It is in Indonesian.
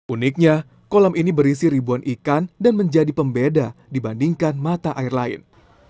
uniknya kolam ini berisi ribuan ikan dan menjadi pembeda dibandingkan mata air lain